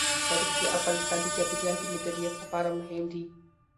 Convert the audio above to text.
تاریخ د افغانستان د چاپیریال د مدیریت لپاره مهم دي.